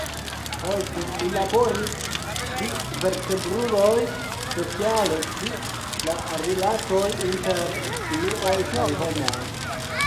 Poste, li laboris pri vertebruloj, speciale pri la rilatoj inter simioj kaj homoj.